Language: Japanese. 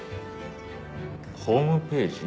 ホームページ？